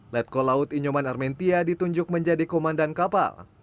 letkol laut inyoman armentia ditunjuk menjadi komandan kapal